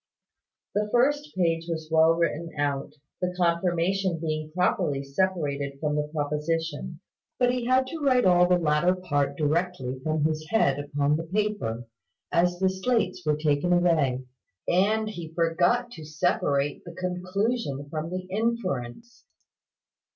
The first page was well written out, the Confirmation being properly separated from the Proposition: but he had to write all the latter part directly from his head upon the paper, as the slates were taken away; and he forgot to separate the Conclusion from the Inference.